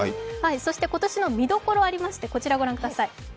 今年の見どころありまして、こちらをご覧ください。